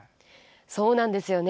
そうなんですよね。